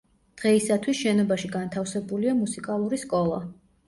დღეისათვის შენობაში განთავსებულია მუსიკალური სკოლა.